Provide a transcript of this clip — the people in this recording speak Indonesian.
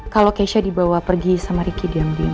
kalau keisha dibawa pergi sama ricky diam diam